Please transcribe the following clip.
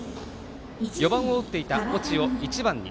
４番を打っていた、越智を１番に。